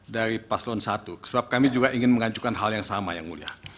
dari paslon satu sebab kami juga ingin mengajukan hal yang sama yang mulia